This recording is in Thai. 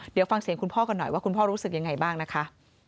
เดี๋ยวฟังเสียงคุณพ่อกันหน่อยว่าคุณพ่อรู้สึกยังไงบ้างนะคะ